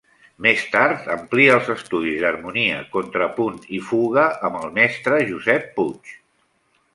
Més tard amplia els estudis d'harmonia, contrapunt i fuga amb el mestre Josep Puig.